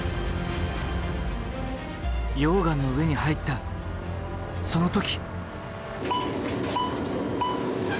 溶岩の上に入ったその時！